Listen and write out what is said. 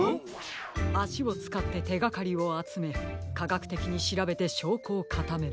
あしをつかっててがかりをあつめかがくてきにしらべてしょうこをかためる。